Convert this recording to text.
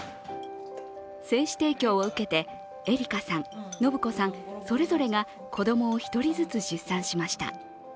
精子提供を受けてエリカさん信子さん、それぞれが子供を１人ずつ出産しました。